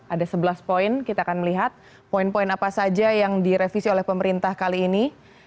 ada sebelas poin kita akan melihat poin poin apa saja yang direvisi oleh pemerintah kali ini